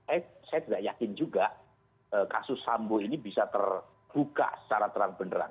eh saya tidak yakin juga kasus sambo ini bisa terbuka secara terang beneran